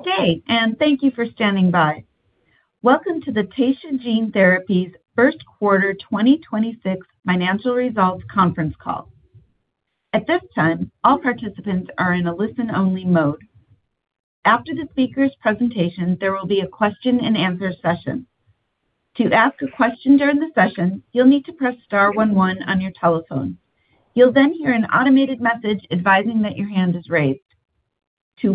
Okay, thank you for standing by. Welcome to the Taysha Gene Therapies first quarter 2026 financial results conference call. I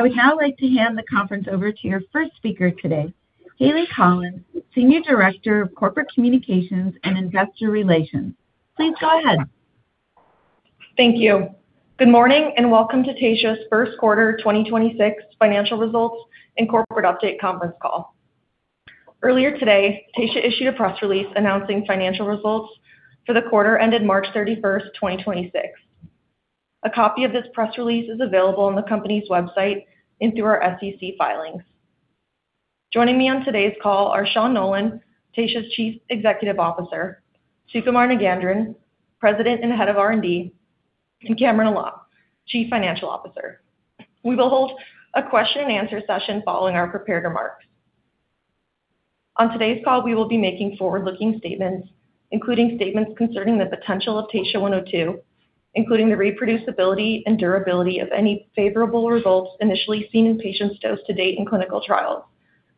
would now like to hand the conference over to your first speaker today, Hayleigh Collins, Senior Director of Corporate Communications and Investor Relations. Please go ahead. Thank you. Good morning and welcome to Taysha's first quarter 2026 financial results and corporate update conference call. Earlier today, Taysha issued a press release announcing financial results for the quarter ended March 31st, 2026. A copy of this press release is available on the company's website and through our SEC filings. Joining me on today's call are Sean Nolan, Taysha's Chief Executive Officer, Sukumar Nagendran, President and Head of R&D, and Kamran Alam, Chief Financial Officer. We will hold a question and answer session following our prepared remarks. On today's call, we will be making forward-looking statements, including statements concerning the potential of TSHA-102, including the reproducibility and durability of any favorable results initially seen in patients dosed to date in clinical trials,.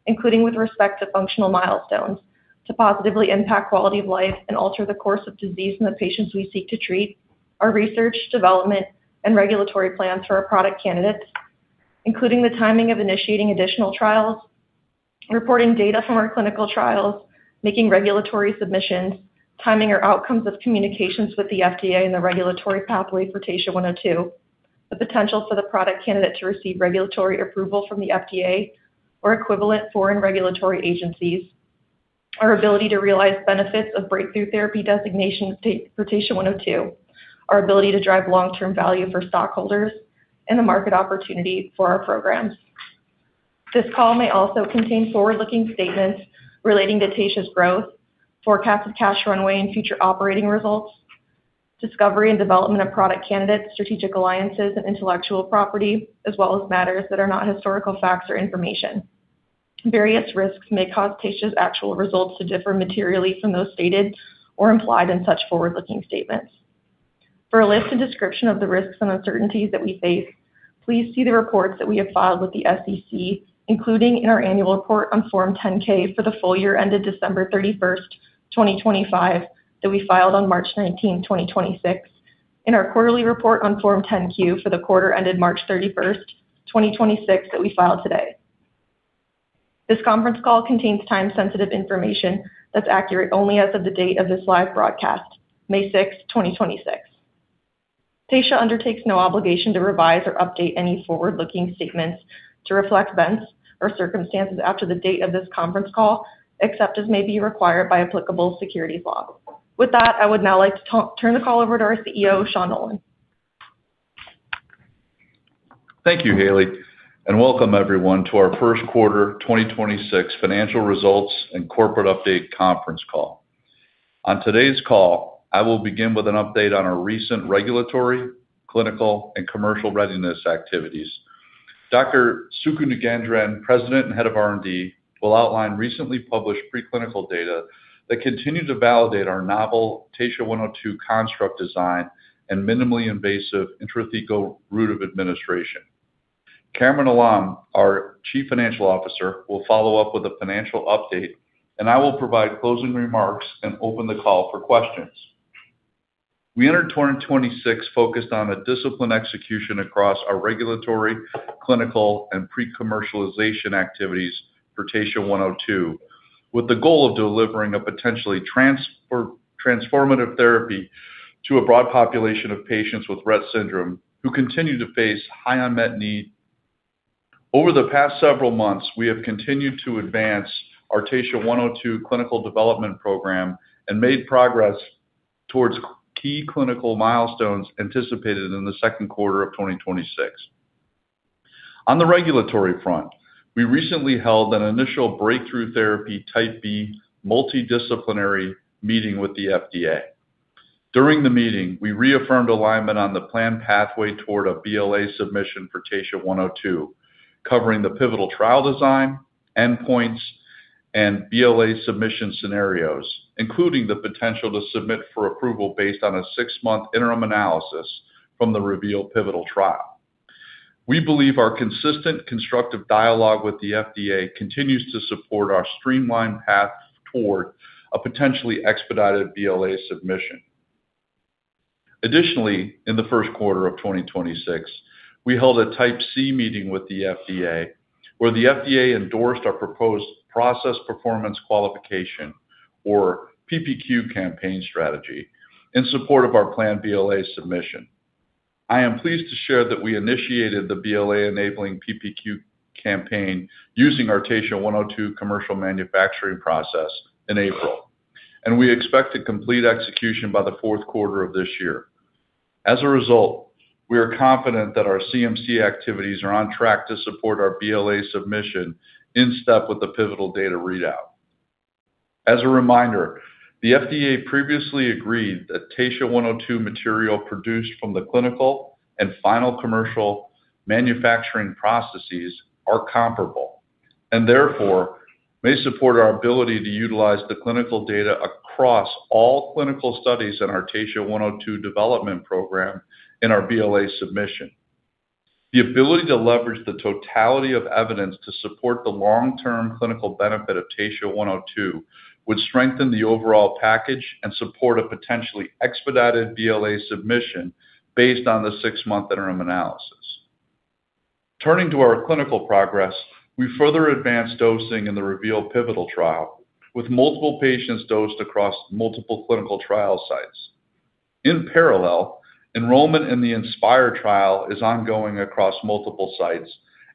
Including with respect to functional milestones to positively impact quality of life and alter the course of disease in the patients we seek to treat, our research, development, and regulatory plans for our product candidates, including the timing of initiating additional trials, reporting data from our clinical trials, making regulatory submissions, timing or outcomes of communications with the FDA and the regulatory pathway for TSHA-102, the potential for the product candidate to receive regulatory approval from the FDA or equivalent foreign regulatory agencies, our ability to realize benefits of Breakthrough Therapy designation for TSHA-102, our ability to drive long-term value for stockholders, and the market opportunity for our programs. This call may also contain forward-looking statements relating to Taysha's growth, forecast of cash runway and future operating results, discovery and development of product candidates, strategic alliances and intellectual property, as well as matters that are not historical facts or information. Various risks may cause Taysha's actual results to differ materially from those stated or implied in such forward-looking statements. For a list and description of the risks and uncertainties that we face, please see the reports that we have filed with the SEC, including in our annual report on Form 10-K for the full year ended December 31st, 2025 that we filed on March 19th, 2026, and our quarterly report on Form 10-Q for the quarter ended March 31st, 2026 that we filed today. This conference call contains time-sensitive information that's accurate only as of the date of this live broadcast, May 6th, 2026. Taysha undertakes no obligation to revise or update any forward-looking statements to reflect events or circumstances after the date of this conference call, except as may be required by applicable securities law. With that, I would now like to turn the call over to our CEO, Sean Nolan. Thank you, Hayleigh, and welcome everyone to our first quarter 2026 financial results and corporate update conference call. On today's call, I will begin with an update on our recent regulatory, clinical, and commercial readiness activities. Dr. Sukumar Nagendran, President and Head of R&D, will outline recently published preclinical data that continue to validate our novel TSHA-102 construct design and minimally invasive intrathecal route of administration. Kamran Alam, our Chief Financial Officer, will follow up with a financial update, and I will provide closing remarks and open the call for questions. We entered 2026 focused on a disciplined execution across our regulatory, clinical, and pre-commercialization activities for TSHA-102, with the goal of delivering a potentially transformative therapy to a broad population of patients with Rett syndrome who continue to face high unmet need. Over the past several months, we have continued to advance our TSHA-102 clinical development program and made progress towards key clinical milestones anticipated in second quarter of 2026. On the regulatory front, we recently held an initial Breakthrough Therapy Type B multidisciplinary meeting with the FDA. During the meeting, we reaffirmed alignment on the planned pathway toward a BLA submission for TSHA-102, covering the pivotal trial design, endpoints, and BLA submission scenarios, including the potential to submit for approval based on a six-month interim analysis from the REVEAL pivotal trial. We believe our consistent constructive dialogue with the FDA continues to support our streamlined path toward a potentially expedited BLA submission. In the first quarter of 2026, we held a Type C meeting with the FDA, where the FDA endorsed our proposed process performance qualification or PPQ campaign strategy in support of our planned BLA submission. I am pleased to share that we initiated the BLA-enabling PPQ campaign using our TSHA-102 commercial manufacturing process in April, we expect to complete execution by the fourth quarter of this year. We are confident that our CMC activities are on track to support our BLA submission in step with the pivotal data readout. The FDA previously agreed that TSHA-102 material produced from the clinical and final commercial manufacturing processes are comparable, therefore, may support our ability to utilize the clinical data across all clinical studies in our TSHA-102 development program in our BLA submission. The ability to leverage the totality of evidence to support the long-term clinical benefit of TSHA-102 would strengthen the overall package and support a potentially expedited BLA submission based on the six-month interim analysis. Turning to our clinical progress, we further advanced dosing in the REVEAL pivotal trial with multiple patients dosed across multiple clinical trial sites. In parallel, enrollment in the ASPIRE trial is ongoing across multiple sites,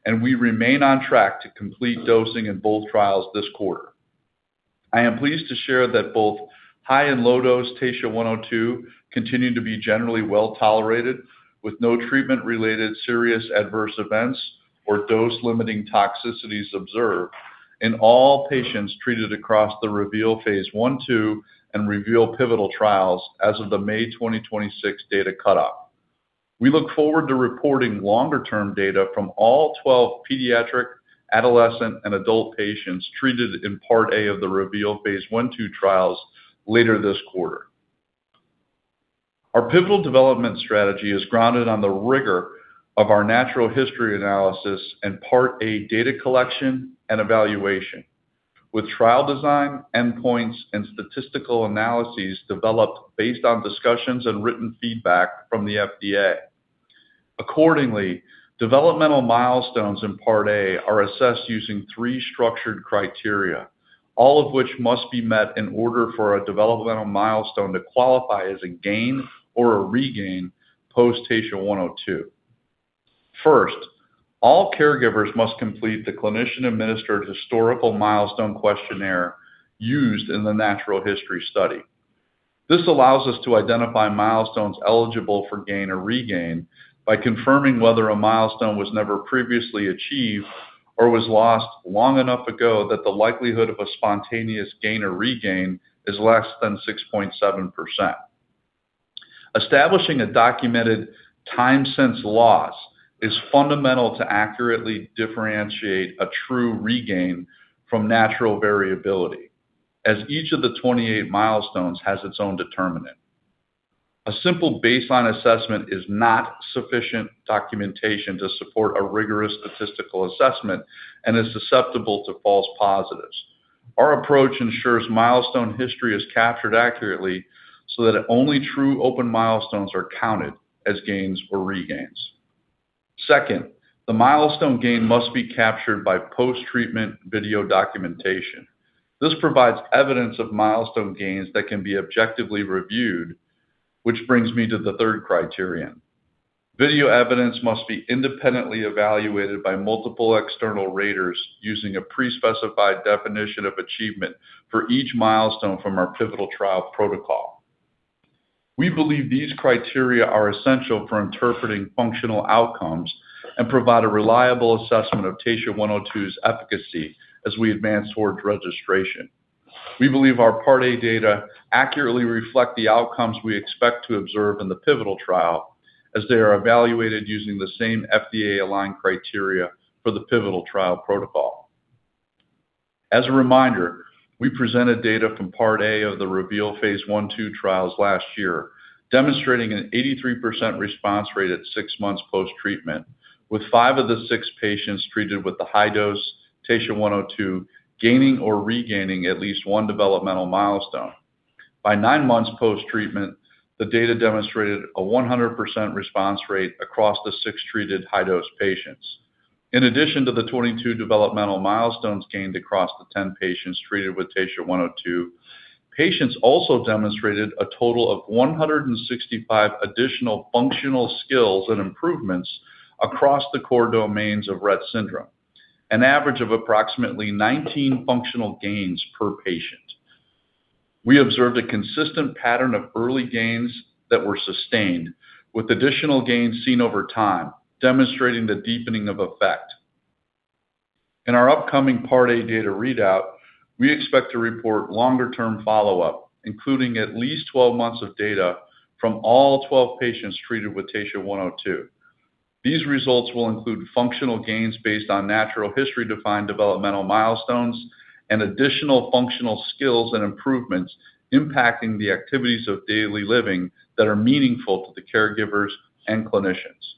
and we remain on track to complete dosing in both trials this quarter. I am pleased to share that both high and low dose TSHA-102 continue to be generally well-tolerated with no treatment-related serious adverse events or dose-limiting toxicities observed in all patients treated across the REVEAL phase I/II and REVEAL pivotal trials as of the May 2026 data cutoff. We look forward to reporting longer-term data from all 12 pediatric, adolescent, and adult patients treated in Part A of the REVEAL phase I/II trials later this quarter. Our pivotal development strategy is grounded on the rigor of our natural history analysis and Part A data collection and evaluation with trial design, endpoints, and statistical analyses developed based on discussions and written feedback from the FDA. Accordingly, developmental milestones in Part A are assessed using three structured criteria, all of which must be met in order for a developmental milestone to qualify as a gain or a regain post TSHA-102. First, all caregivers must complete the clinician-administered historical milestone questionnaire used in the natural history study. This allows us to identify milestones eligible for gain or regain by confirming whether a milestone was never previously achieved or was lost long enough ago that the likelihood of a spontaneous gain or regain is less than 6.7%. Establishing a documented time since loss is fundamental to accurately differentiate a true regain from natural variability as each of the 28 milestones has its own determinant. A simple baseline assessment is not sufficient documentation to support a rigorous statistical assessment and is susceptible to false positives. Our approach ensures milestone history is captured accurately so that only true open milestones are counted as gains or regains. Second, the milestone gain must be captured by post-treatment video documentation. This provides evidence of milestone gains that can be objectively reviewed, which brings me to the third criterion. Video evidence must be independently evaluated by multiple external raters using a pre-specified definition of achievement for each milestone from our pivotal trial protocol. We believe these criteria are essential for interpreting functional outcomes and provide a reliable assessment of TSHA-102's efficacy as we advance towards registration. We believe our Part A data accurately reflect the outcomes we expect to observe in the pivotal trial as they are evaluated using the same FDA-aligned criteria for the pivotal trial protocol. As a reminder, we presented data from Part A of the REVEAL phase I/II trials last year, demonstrating an 83% response rate at six months post-treatment, with five of the six patients treated with the high dose TSHA-102 gaining or regaining at least 1 developmental milestone. By 9 months post-treatment, the data demonstrated a 100% response rate across the six treated high-dose patients. In addition to the 22 developmental milestones gained across the 10 patients treated with TSHA-102, patients also demonstrated a total of 165 additional functional skills and improvements across the core domains of Rett syndrome, an average of approximately 19 functional gains per patient. We observed a consistent pattern of early gains that were sustained, with additional gains seen over time, demonstrating the deepening of effect. In our upcoming Part A data readout, we expect to report longer-term follow-up, including at least 12 months of data from all 12 patients treated with TSHA-102. These results will include functional gains based on natural history-defined developmental milestones and additional functional skills and improvements impacting the activities of daily living that are meaningful to the caregivers and clinicians.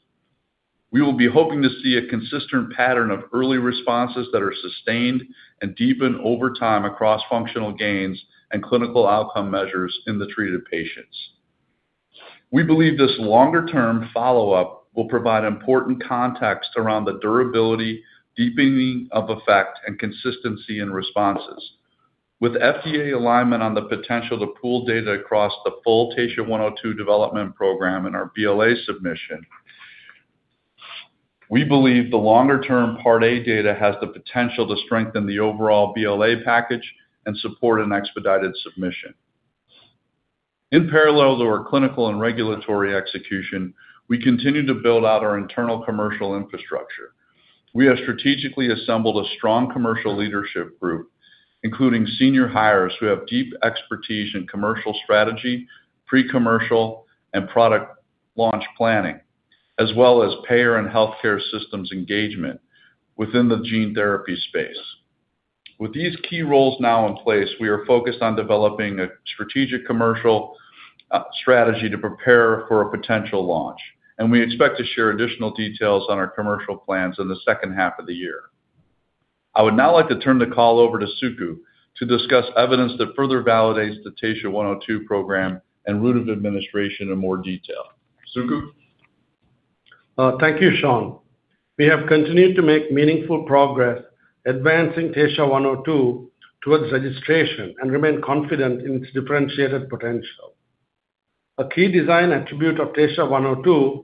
We will be hoping to see a consistent pattern of early responses that are sustained and deepen over time across functional gains and clinical outcome measures in the treated patients. We believe this longer-term follow-up will provide important context around the durability, deepening of effect, and consistency in responses. With FDA alignment on the potential to pool data across the full TSHA-102 development program in our BLA submission. We believe the longer-term Part A data has the potential to strengthen the overall BLA package and support an expedited submission. In parallel to our clinical and regulatory execution, we continue to build out our internal commercial infrastructure. We have strategically assembled a strong commercial leadership group, including senior hires who have deep expertise in commercial strategy, pre-commercial, and product launch planning, as well as payer and healthcare systems engagement within the gene therapy space. With these key roles now in place, we are focused on developing a strategic commercial strategy to prepare for a potential launch, and we expect to share additional details on our commercial plans in the second half of the year. I would now like to turn the call over to Suku to discuss evidence that further validates the TSHA-102 program and route of administration in more detail. Suku? Thank you, Sean. We have continued to make meaningful progress advancing TSHA-102 towards registration and remain confident in its differentiated potential. A key design attribute of TSHA-102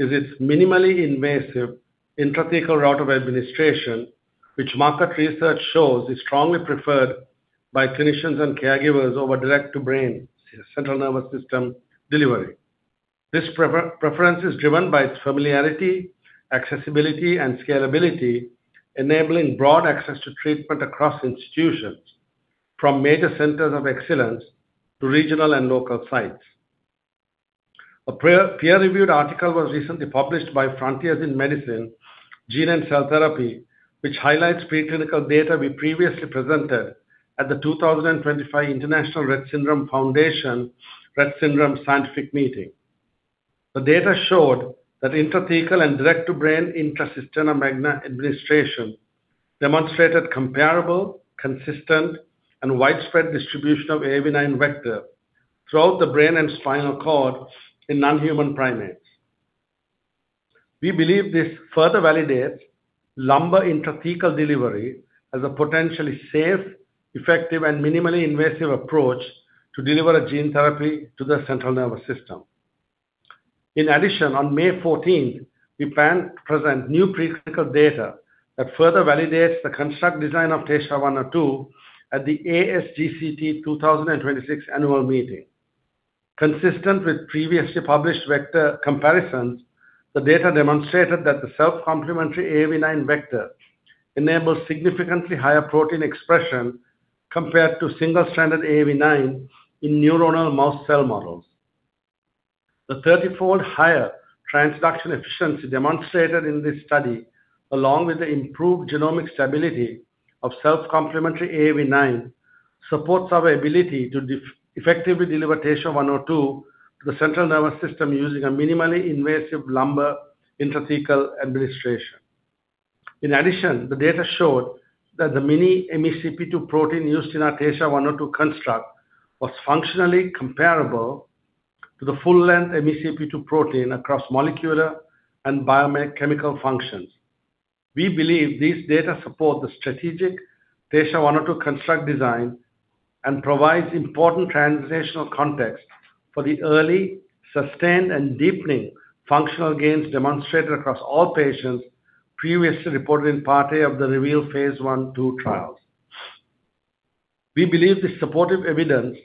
is its minimally invasive intrathecal route of administration, which market research shows is strongly preferred by clinicians and caregivers over direct-to-brain CNS delivery. This preference is driven by its familiarity, accessibility, and scalability, enabling broad access to treatment across institutions from major centers of excellence to regional and local sites. A peer-reviewed article was recently published by Frontiers in Medicine, Gene & Cell Therapy, which highlights preclinical data we previously presented at the 2025 International Rett Syndrome Foundation Rett Syndrome Scientific Meeting. The data showed that intrathecal and direct to brain intracisterna magna administration demonstrated comparable, consistent, and widespread distribution of AAV9 vector throughout the brain and spinal cord in non-human primates. We believe this further validates lumbar intrathecal delivery as a potentially safe, effective, and minimally invasive approach to deliver a gene therapy to the central nervous system. In addition, on May 14th, we plan to present new preclinical data that further validates the construct design of TSHA-102 at the ASGCT 2026 annual meeting. Consistent with previously published vector comparisons, the data demonstrated that the self-complementary AAV9 vector enables significantly higher protein expression compared to single-stranded AAV9 in neuronal mouse cell models. The 30-fold higher transduction efficiency demonstrated in this study, along with the improved genomic stability of self-complementary AAV9, supports our ability to effectively deliver TSHA-102 to the central nervous system using a minimally invasive lumbar intrathecal administration. In addition, the data showed that the miniMECP2 protein used in our TSHA-102 construct was functionally comparable to the full-length MECP2 protein across molecular and biochemical functions. We believe these data support the strategic TSHA-102 construct design and provides important translational context for the early, sustained, and deepening functional gains demonstrated across all patients previously reported in Part A of the REVEAL phase I/II trials. We believe the supportive evidence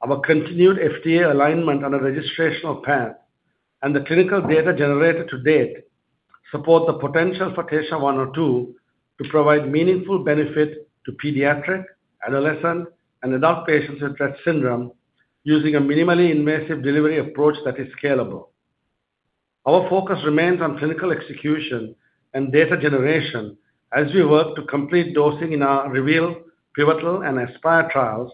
of a continued FDA alignment on a registrational path and the clinical data generated to date support the potential for TSHA-102 to provide meaningful benefit to pediatric, adolescent, and adult patients with Rett syndrome using a minimally invasive delivery approach that is scalable. Our focus remains on clinical execution and data generation as we work to complete dosing in our REVEAL pivotal and ASPIRE trials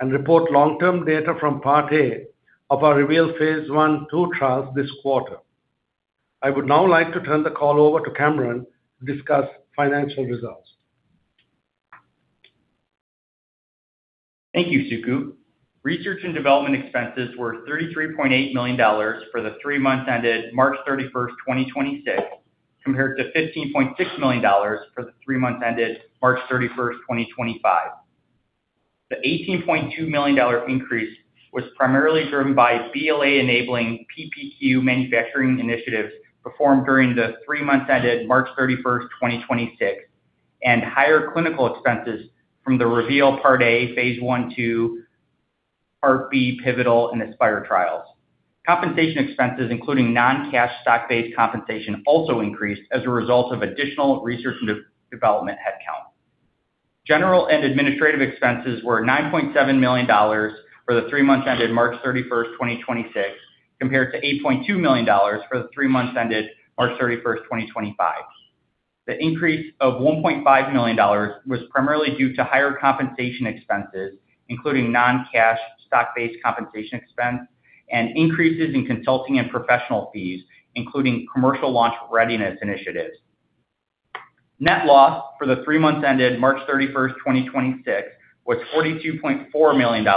and report long-term data from Part A of our REVEAL phase I/II trials this quarter. I would now like to turn the call over to Kamran to discuss financial results. Thank you, Suku. Research and development expenses were Net loss for the three months ended March 31st, 2026 was $42.4 million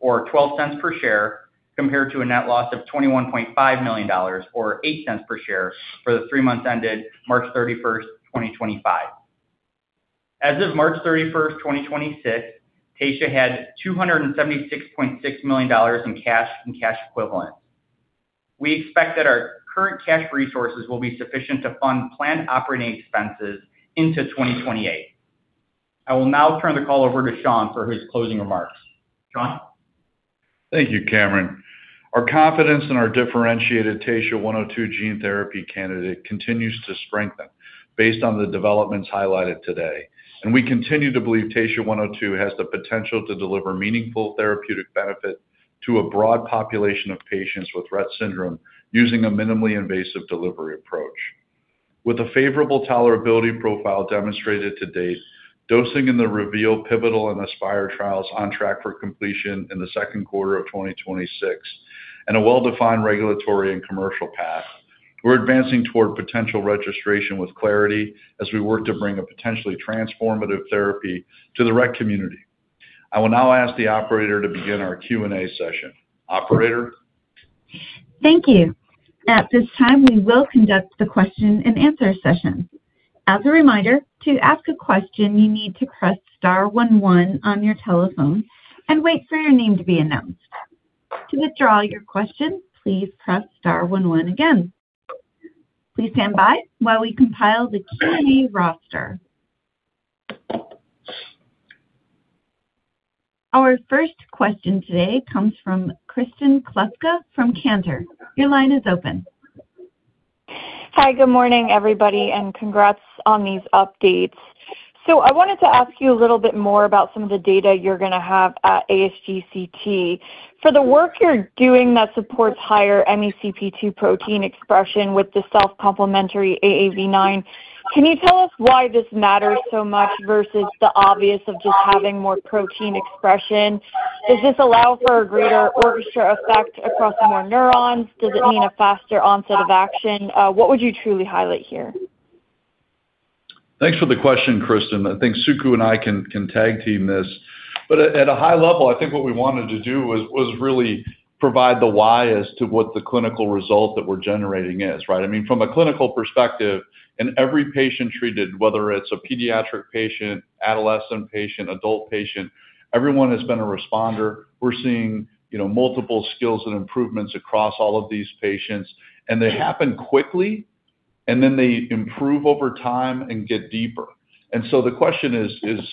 or $0.12 per share, compared to a net loss of $21.5 million or $0.08 per share for the three months ended March 31st, 2025. As of March 31st, 2026, Taysha had $276.6 million in cash and cash equivalents. We expect that our current cash resources will be sufficient to fund planned operating expenses into 2028. I will now turn the call over to Sean for his closing remarks. Sean? Thank you, Kamran. Our confidence in our differentiated TSHA-102 gene therapy candidate continues to strengthen based on the developments highlighted today. We continue to believe TSHA-102 has the potential to deliver meaningful therapeutic benefit to a broad population of patients with Rett syndrome using a minimally invasive delivery approach. With a favorable tolerability profile demonstrated to date, dosing in the REVEAL pivotal and ASPIRE trials on track for completion in the second quarter of 2026, and a well-defined regulatory and commercial path, we're advancing toward potential registration with clarity as we work to bring a potentially transformative therapy to the Rett community. I will now ask the operator to begin our Q&A session. Operator? Thank you. At this time, we will conduct the question-and-answer session. As a reminder, to ask a question, you need to press star one one on your telephone and wait for your name to be announced. To withdraw your question, please press star one one again. Please stand by while we compile the Q&A roster. Our first question today comes from Kristen Kluska from Cantor Fitzgerald. Your line is open. Hi. Good morning, everybody, and congrats on these updates. I wanted to ask you a little bit more about some of the data you're going to have at ASGCT. For the work you're doing that supports higher MECP2 protein expression with the self-complementary AAV9, can you tell us why this matters so much versus the obvious of just having more protein expression? Does this allow for a greater orchestra effect across more neurons? Does it mean a faster onset of action? What would you truly highlight here? Thanks for the question, Kristen. I think Suku and I can tag team this. At a high level, I think what we wanted to do was really provide the why as to what the clinical result that we're generating is, right? I mean, from a clinical perspective, in every patient treated, whether it's a pediatric patient, adolescent patient, adult patient, everyone has been a responder. We're seeing, you know, multiple skills and improvements across all of these patients, and they happen quickly, and then they improve over time and get deeper. The question is,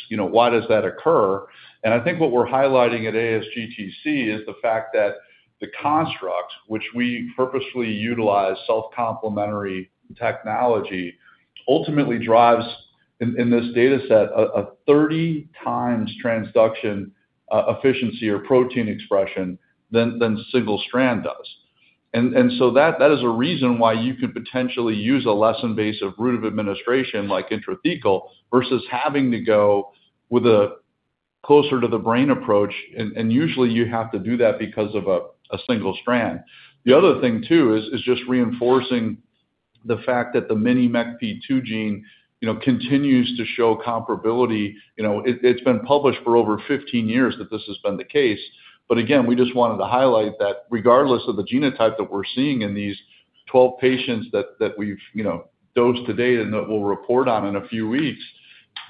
you know, why does that occur? I think what we're highlighting at ASGCT is the fact that the construct, which we purposefully utilize self-complementary technology, ultimately drives in this data set a 30x transduction efficiency or protein expression than single strand does. That is a reason why you could potentially use a less invasive route of administration like intrathecal versus having to go with a closer to the brain approach. Usually you have to do that because of a single strand. The other thing too is just reinforcing the fact that the miniMECP2 gene, you know, continues to show comparability. You know, it's been published for over 15 years that this has been the case. Again, we just wanted to highlight that regardless of the genotype that we're seeing in these 12 patients that we've, you know, dosed to date and that we'll report on in a few weeks,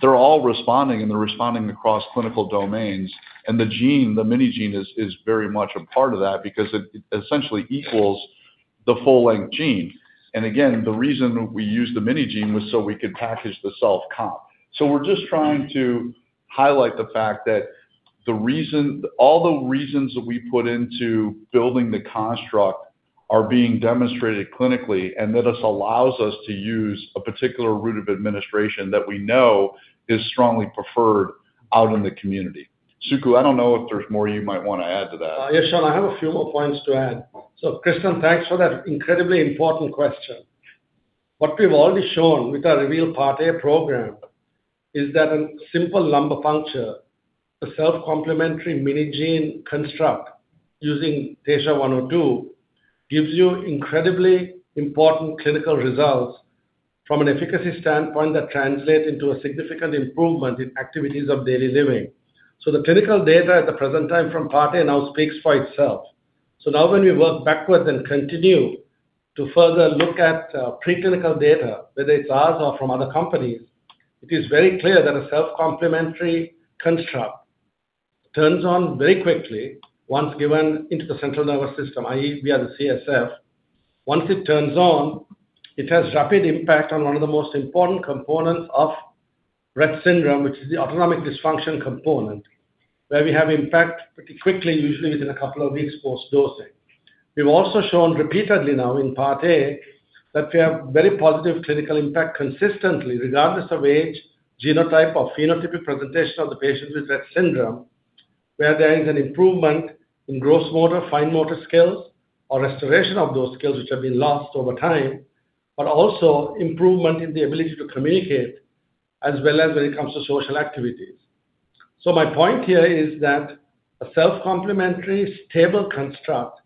they're all responding, and they're responding across clinical domains. The gene, the mini gene is very much a part of that because it essentially equals the full-length gene. Again, the reason we use the mini gene was so we could package the self-comp. We're just trying to highlight the fact that the reason all the reasons that we put into building the construct are being demonstrated clinically, and that this allows us to use a particular route of administration that we know is strongly preferred out in the community. Suku, I don't know if there's more you might wanna add to that. Yeah, Sean, I have a few more points to add. Kristen, thanks for that incredibly important question. What we've already shown with our REVEAL Part A program is that a simple lumbar puncture, a self-complementary mini-gene construct using TSHA-102, gives you incredibly important clinical results from an efficacy standpoint that translate into a significant improvement in activities of daily living. The clinical data at the present time from Part A now speaks for itself. Now when we work backwards and continue to further look at preclinical data, whether it's ours or from other companies, it is very clear that a self-complementary construct turns on very quickly once given into the central nervous system, i.e., via the CSF. Once it turns on, it has rapid impact on one of the most important components of Rett syndrome, which is the autonomic dysfunction component, where we have impact pretty quickly, usually within a couple of weeks post-dosing. We've also shown repeatedly now in Part A that we have very positive clinical impact consistently, regardless of age, genotype, or phenotypic presentation of the patient with Rett syndrome, where there is an improvement in gross motor, fine motor skills or restoration of those skills which have been lost over time, but also improvement in the ability to communicate, as well as when it comes to social activities. My point here is that a self-complementary stable construct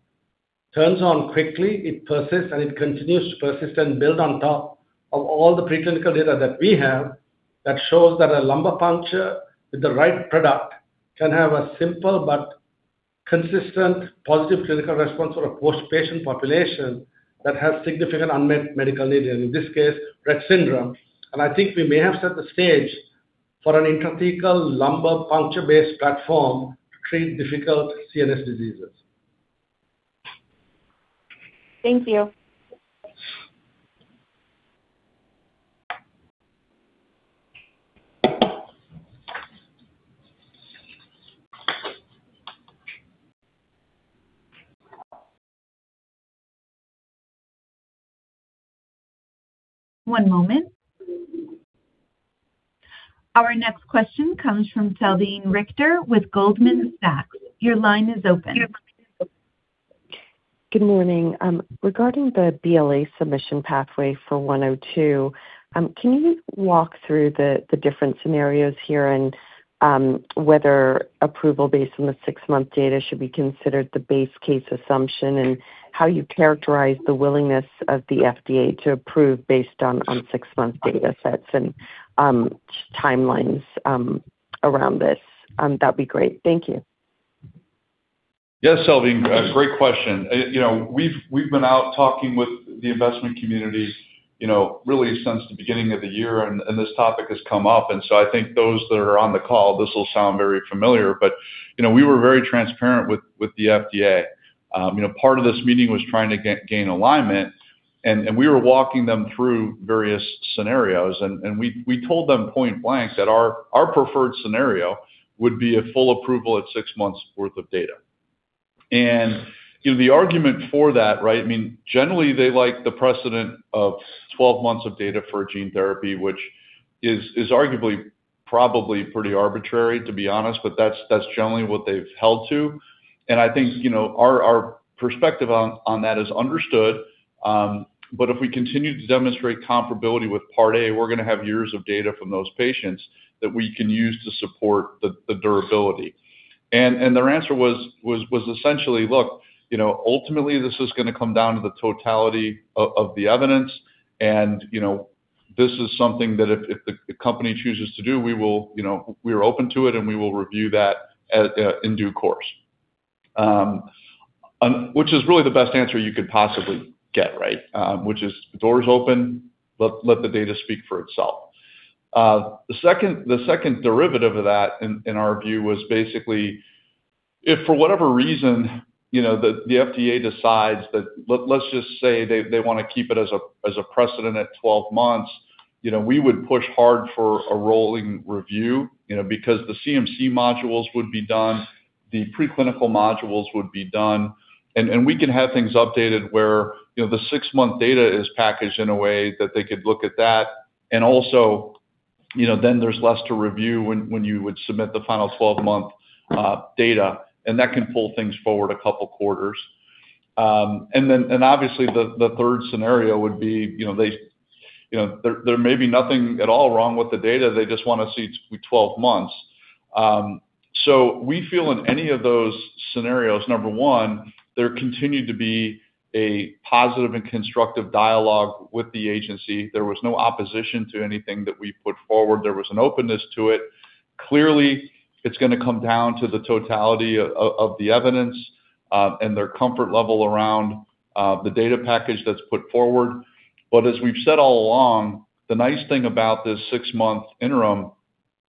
turns on quickly, it persists, and it continues to persist and build on top of all the preclinical data that we have that shows that a lumbar puncture with the right product can have a simple but consistent positive clinical response for a post patient population that has significant unmet medical need, and in this case, Rett syndrome. I think we may have set the stage for an intrathecal lumbar puncture-based platform to treat difficult CNS diseases. Thank you. One moment. Our next question comes from Salveen Richter with Goldman Sachs. Your line is open. Good morning. Regarding the BLA submission pathway for TSHA-102, can you walk through the different scenarios here and whether approval based on the six-month data should be considered the base case assumption and how you characterize the willingness of the FDA to approve based on six-month data sets and timelines around this? That'd be great. Thank you. Yes, Salveen, great question. You know, we've been out talking with the investment community, you know, really since the beginning of the year, and this topic has come up. I think those that are on the call, this will sound very familiar. You know, we were very transparent with the FDA. You know, part of this meeting was trying to gain alignment, and we were walking them through various scenarios. And we told them point-blank that our preferred scenario would be a full approval at six months worth of data. You know, the argument for that, right, I mean, generally, they like the precedent of 12 months of data for gene therapy, which is arguably probably pretty arbitrary, to be honest, but that's generally what they've held to. I think, you know, our perspective on that is understood, but if we continue to demonstrate comparability with Part A, we're gonna have years of data from those patients that we can use to support the durability. Their answer was essentially, look, you know, ultimately, this is gonna come down to the totality of the evidence. You know, this is something that if the company chooses to do, we will, you know, we are open to it, and we will review that in due course. Which is really the best answer you could possibly get, right? Which is the door is open, let the data speak for itself. The second derivative of that in our view was basically if for whatever reason, you know, the FDA decides that Let's just say they wanna keep it as a precedent at 12 months, you know, we would push hard for a rolling review. You know, because the CMC modules would be done, the preclinical modules would be done, and we can have things updated where, you know, the six-month data is packaged in a way that they could look at that. Also, you know, then there's less to review when you would submit the final 12-month data, and that can pull things forward a couple quarters. Then obviously the third scenario would be, you know, they, you know, there may be nothing at all wrong with the data. They just wanna see 12 months. We feel in any of those scenarios, number one, there continued to be a positive and constructive dialogue with the agency. There was no opposition to anything that we put forward. There was an openness to it. Clearly, it's gonna come down to the totality of the evidence, and their comfort level around the data package that's put forward. As we've said all along, the nice thing about this six-month interim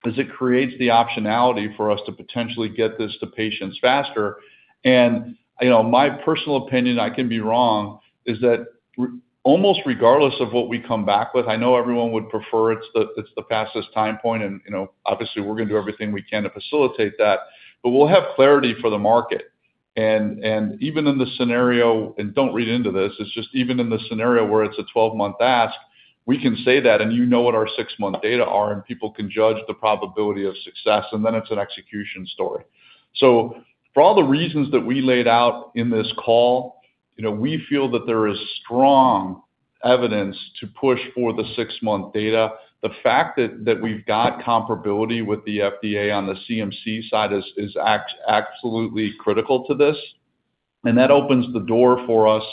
is it creates the optionality for us to potentially get this to patients faster. You know, my personal opinion, I can be wrong, is that almost regardless of what we come back with, I know everyone would prefer it's the fastest time point and, you know, obviously, we're gonna do everything we can to facilitate that. We'll have clarity for the market. Even in the scenario, and don't read into this, it's just even in the scenario where it's a 12-month ask, we can say that, and you know what our six-month data are, people can judge the probability of success, then it's an execution story. For all the reasons that we laid out in this call, you know, we feel that there is strong evidence to push for the six-month data. The fact that we've got comparability with the FDA on the CMC side is absolutely critical to this. That opens the door for us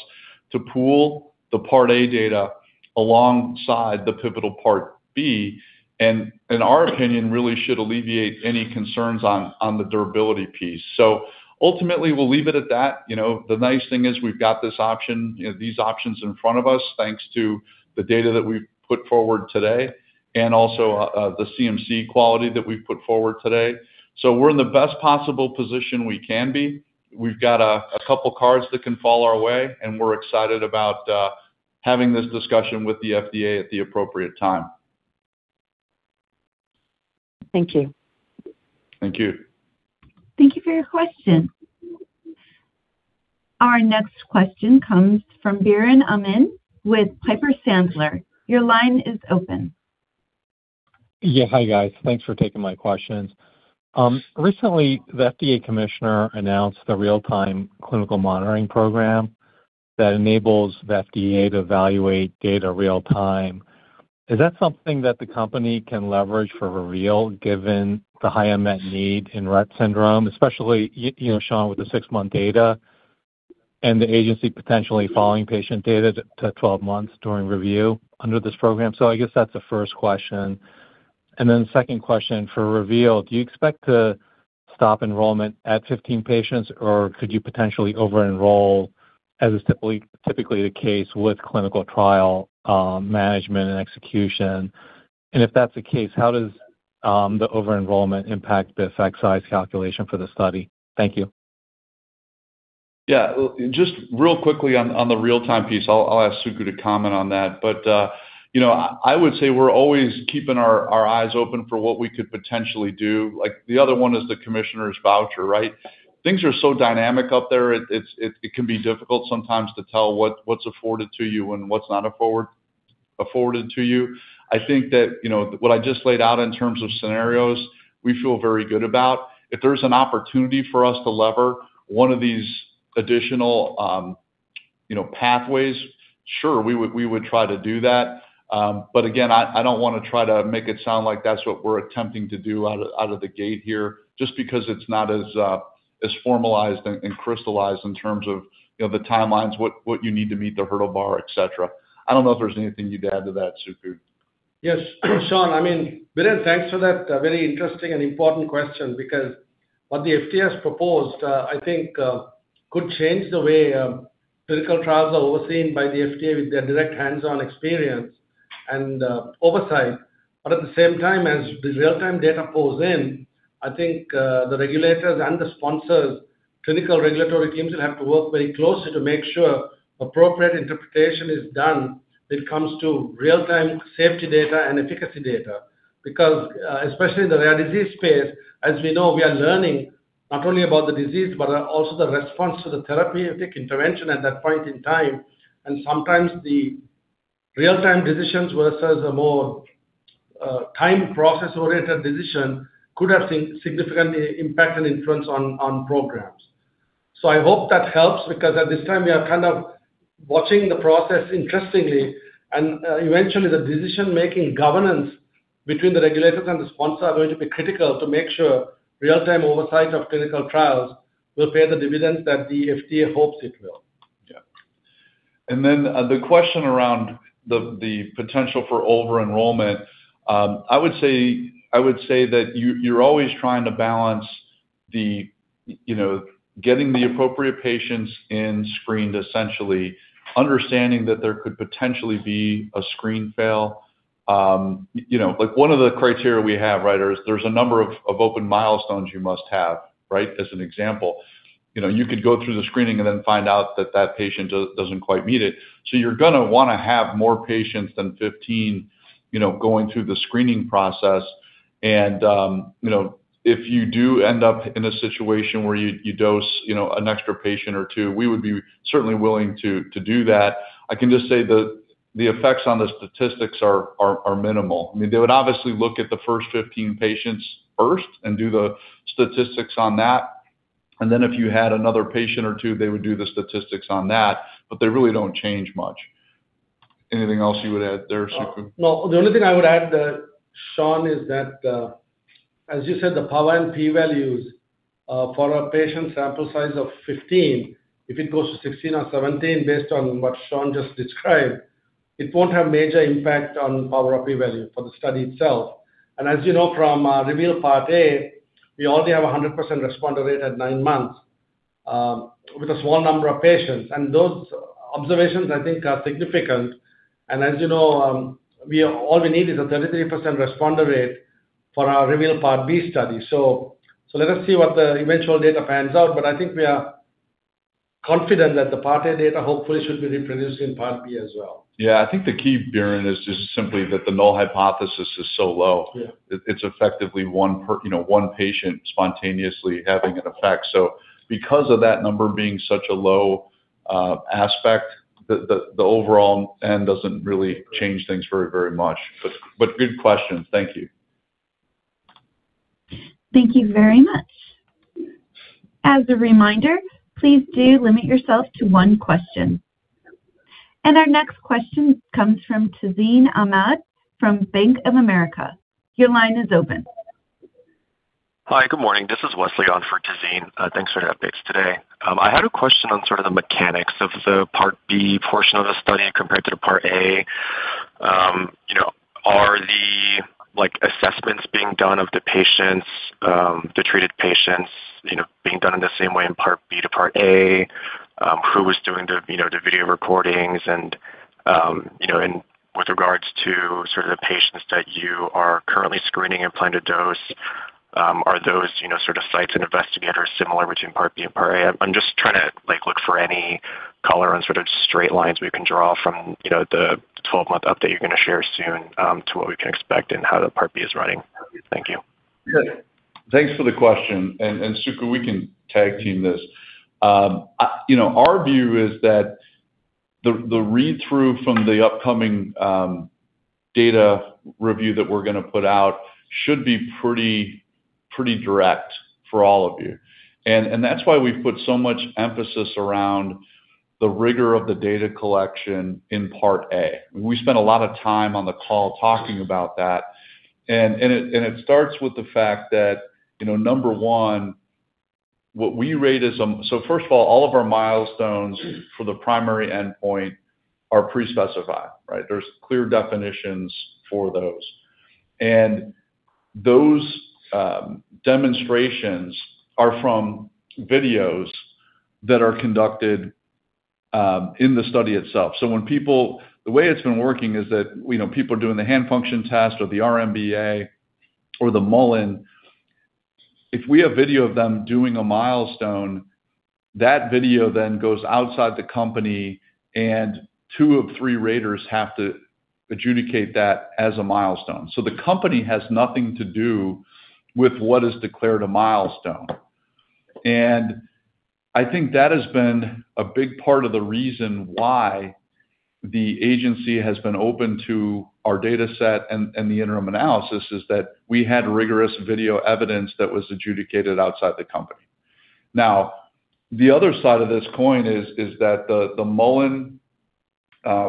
to pool the Part A data alongside the pivotal Part B, and in our opinion, really should alleviate any concerns on the durability piece. Ultimately, we'll leave it at that. You know, the nice thing is we've got this option, you know, these options in front of us, thanks to the data that we've put forward today and also, the CMC quality that we've put forward today. We're in the best possible position we can be. We've got a couple cards that can fall our way, and we're excited about having this discussion with the FDA at the appropriate time. Thank you. Thank you. Thank you for your question. Our next question comes from Biren Amin with Piper Sandler. Your line is open. Yeah. Hi, guys. Thanks for taking my questions. Recently, the FDA commissioner announced a real-time clinical monitoring program that enables the FDA to evaluate data real time. Is that something that the company can leverage for REVEAL, given the high unmet need in Rett syndrome? Especially you know, Sean, with the six-month data and the agency potentially following patient data to 12 months during review under this program. I guess that's the first question. Second question for REVEAL, do you expect to stop enrollment at 15 patients or could you potentially over-enroll as is typically the case with clinical trial management and execution? If that's the case, how does the over-enrollment impact the effect size calculation for the study? Thank you. Yeah. Just real quickly on the real-time piece. I'll ask Suku to comment on that. You know, I would say we're always keeping our eyes open for what we could potentially do. Like, the other one is the commissioner's voucher, right? Things are so dynamic up there. It can be difficult sometimes to tell what's afforded to you and what's not afforded to you. I think that, you know, what I just laid out in terms of scenarios, we feel very good about. If there's an opportunity for us to lever one of these additional, you know, pathways, sure, we would try to do that. Again, I don't wanna try to make it sound like that's what we're attempting to do out of the gate here, just because it's not as formalized and crystallized in terms of, you know, the timelines, what you need to meet the hurdle bar, et cetera. I don't know if there's anything you'd add to that, Suku. Yes. Sean, I mean, Biren Amin, thanks for that very interesting and important question because what the FDA has proposed, I think, could change the way clinical trials are overseen by the FDA with their direct hands-on experience and oversight. At the same time, as the real-time data pours in, I think, the regulators and the sponsors, clinical regulatory teams will have to work very closely to make sure appropriate interpretation is done when it comes to real-time safety data and efficacy data. Especially in the rare disease space, as we know, we are learning not only about the disease, but also the response to the therapeutic intervention at that point in time. Sometimes the real-time decisions versus a more time process-oriented decision could have significantly impact and influence on programs. I hope that helps because at this time we are kind of watching the process interestingly, eventually the decision-making governance between the regulators and the sponsors are going to be critical to make sure real-time oversight of clinical trials will pay the dividends that the FDA hopes it will. Yeah. Then, the question around the potential for over-enrollment. I would say that you're always trying to balance the, you know, getting the appropriate patients in screened, essentially, understanding that there could potentially be a screen fail. You know, like one of the criteria we have, right? There's a number of open milestones you must have, right? As an example. You know, you could go through the screening and then find out that that patient doesn't quite meet it. You're gonna wanna have more patients than 15, you know, going through the screening process. You know, if you do end up in a situation where you dose, you know, an extra patient or two, we would be certainly willing to do that. I can just say the effects on the statistics are minimal. I mean, they would obviously look at the first 15 patients first and do the statistics on that. Then if you had another patient or two, they would do the statistics on that, but they really don't change much. Anything else you would add there, Suku? No. The only thing I would add, Sean, is that as you said, the power and p-values for our patient sample size of 15, if it goes to 16 or 17 based on what Sean just described, it won't have major impact on power or p-value for the study itself. As you know from REVEAL Part A, we already have a 100% responder rate at nine months, with a small number of patients. Those observations, I think, are significant. As you know, all we need is a 33% responder rate for our REVEAL Part B study. Let us see what the eventual data pans out, but I think we are confident that the Part A data hopefully should be reproduced in Part B as well. Yeah. I think the key, Biren, is just simply that the null hypothesis is so low. Yeah. It's effectively one per you know, one patient spontaneously having an effect. Because of that number being such a low aspect, the overall end doesn't really change things very, very much. Good question. Thank you. Thank you very much. As a reminder, please do limit yourself to one question. Our next question comes from Tazeen Ahmad from Bank of America. Your line is open. Hi, good morning. This is Wesley on for Tazeen. Thanks for your updates today. I had a question on sort of the mechanics of the Part B portion of the study compared to the Part A. You know, are the, like, assessments being done of the patients, the treated patients, you know, being done in the same way in Part B to Part A? Who is doing the, you know, the video recordings and, you know, and with regards to sort of the patients that you are currently screening and plan to dose, are those, you know, sort of sites and investigators similar between Part B and Part A? I'm just trying to, like, look for any color on sort of straight lines we can draw from, you know, the 12-month update you're gonna share soon, to what we can expect and how the Part B is running. Thank you. Yeah. Thanks for the question. Suku, we can tag team this. You know, our view is that the read-through from the upcoming data review that we're going to put out should be pretty direct for all of you. That's why we've put so much emphasis around the rigor of the data collection in Part A. We spent a lot of time on the call talking about that. It starts with the fact that, you know, number one. So first of all of our milestones for the primary endpoint are pre-specified, right? There's clear definitions for those. Those demonstrations are from videos that are conducted in the study itself. The way it's been working is that, you know, people doing the hand function test or the RMBA or the Mullen. If we have video of them doing a milestone, that video then goes outside the company and two of three raters have to adjudicate that as a milestone. The company has nothing to do with what is declared a milestone. I think that has been a big part of the reason why the agency has been open to our data set and the interim analysis, is that we had rigorous video evidence that was adjudicated outside the company. The other side of this coin is that the Mullen,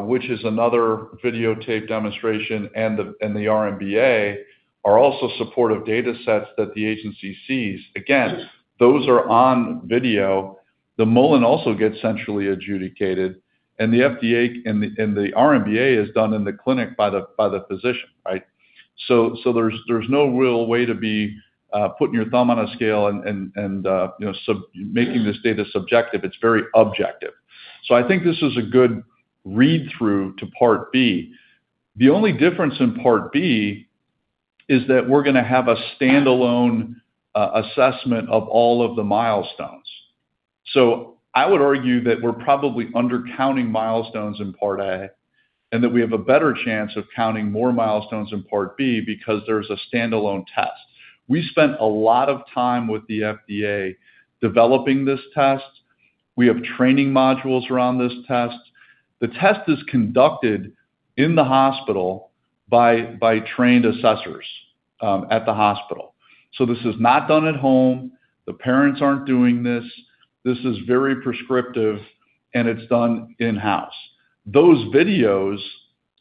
which is another videotaped demonstration, and the RMBA are also supportive data sets that the agency sees. Again, those are on video. The Mullen also gets centrally adjudicated, and the FDA and the RMBA is done in the clinic by the physician, right? There's no real way to be putting your thumb on a scale and, you know, making this data subjective. It's very objective. I think this is a good read-through to Part B. The only difference in Part B is that we're gonna have a standalone assessment of all of the milestones. I would argue that we're probably undercounting milestones in Part A, and that we have a better chance of counting more milestones in Part B because there's a standalone test. We spent a lot of time with the FDA developing this test. We have training modules around this test. The test is conducted in the hospital by trained assessors at the hospital. This is not done at home. The parents aren't doing this. This is very prescriptive, and it's done in-house. Those videos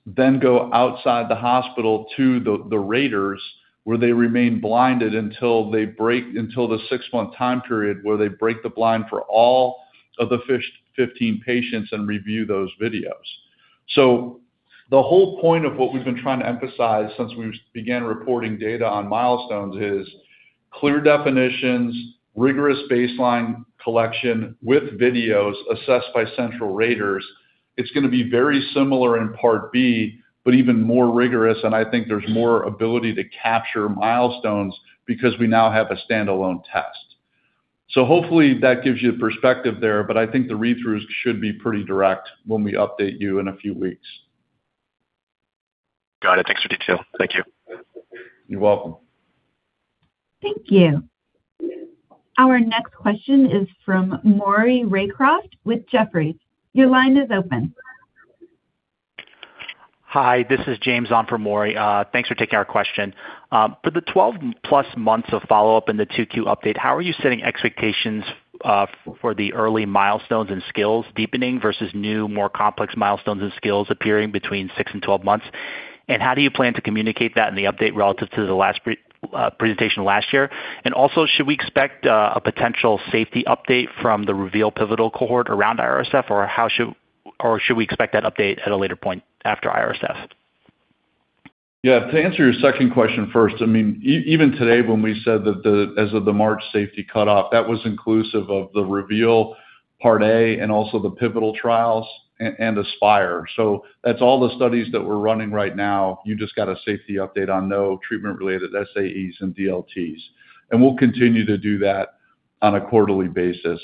then go outside the hospital to the raters, where they remain blinded until the six-month time period where they break the blind for all of the 15 patients and review those videos. The whole point of what we've been trying to emphasize since we began reporting data on milestones is clear definitions, rigorous baseline collection with videos assessed by central raters. It's gonna be very similar in Part B, but even more rigorous, and I think there's more ability to capture milestones because we now have a standalone test. Hopefully that gives you perspective there, but I think the read-throughs should be pretty direct when we update you in a few weeks. Got it. Thanks for detail. Thank you. You're welcome. Thank you. Our next question is from Maury Raycroft with Jefferies. Your line is open. Hi, this is James on for Maury. Thanks for taking our question. For the 12+ months of follow-up in the 2Q update, how are you setting expectations for the early milestones and skills deepening versus new, more complex milestones and skills appearing between six and 12 months? How do you plan to communicate that in the update relative to the last presentation last year? Also, should we expect a potential safety update from the REVEAL pivotal cohort around IRSF, or should we expect that update at a later point after IRSF? Yeah. To answer your second question first, I mean, even today, when we said that the, as of the March safety cutoff, that was inclusive of the REVEAL Part A and also the pivotal trials and ASPIRE. That's all the studies that we're running right now. You just got a safety update on no treatment-related SAEs and DLTs. We'll continue to do that on a quarterly basis.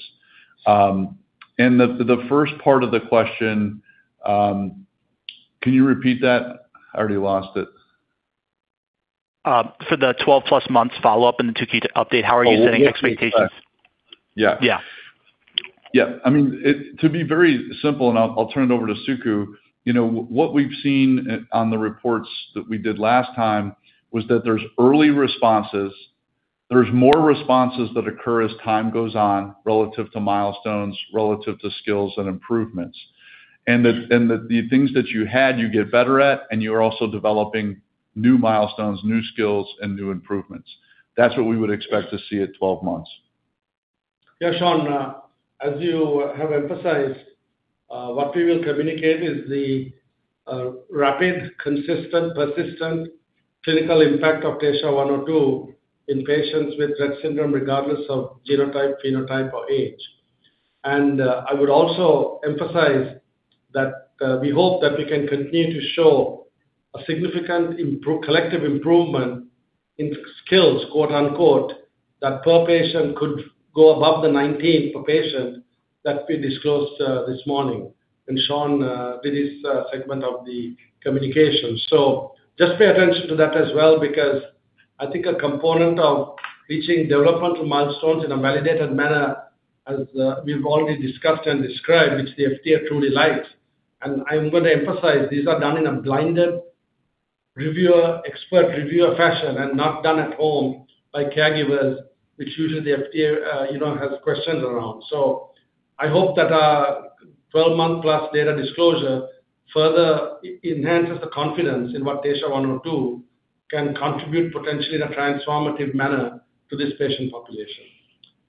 The first part of the question, can you repeat that? I already lost it. For the 12+ months follow-up in the 2Q update, how are you setting expectations? Oh, okay. Yeah. Yeah. Yeah. I mean, to be very simple, I'll turn it over to Suku. You know, what we've seen on the reports that we did last time was that there's early responses. There's more responses that occur as time goes on relative to milestones, relative to skills and improvements. The things that you get better at, and you're also developing new milestones, new skills, and new improvements. That's what we would expect to see at 12 months. Yeah, Sean, as you have emphasized, what we will communicate is the rapid, consistent, persistent clinical impact of TSHA-102 in patients with Rett syndrome, regardless of genotype, phenotype, or age. I would also emphasize that we hope that we can continue to show a significant collective improvement in skills, quote-unquote, that per patient could go above the 19 per patient that we disclosed this morning when Sean did his segment of the communication. Just pay attention to that as well because I think a component of reaching developmental milestones in a validated manner, as we've already discussed and described, which the FDA truly likes, and I'm gonna emphasize these are done in a blinded reviewer, expert reviewer fashion and not done at home by caregivers, which usually the FDA, you know, has questions around. I hope that our 12-month+ data disclosure further enhances the confidence in what TSHA-102 can contribute potentially in a transformative manner to this patient population.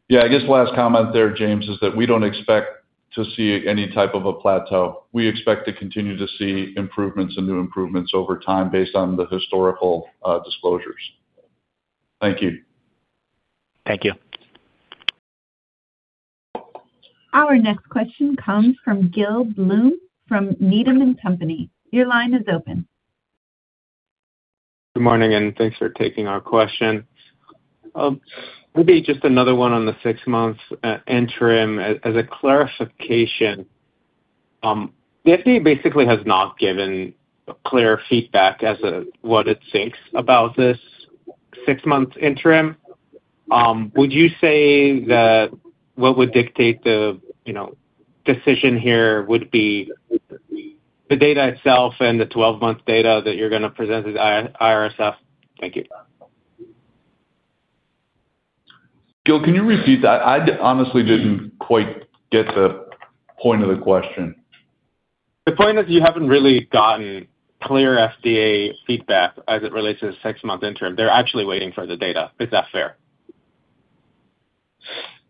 Yeah. I guess the last comment there, James, is that we don't expect to see any type of a plateau. We expect to continue to see improvements and new improvements over time based on the historical, disclosures. Thank you. Thank you. Our next question comes from Gil Blum from Needham & Company. Your line is open. Good morning, thanks for taking our question. Maybe just another one on the six months, interim as a clarification. The FDA basically has not given clear feedback as to what it thinks about this six months interim. Would you say that what would dictate the, you know, decision here would be the data itself and the 12-month data that you're going to present at IRSF? Thank you. Gil, can you repeat that? I honestly didn't quite get the point of the question. The point is you haven't really gotten clear FDA feedback as it relates to the six-month interim. They're actually waiting for the data. Is that fair?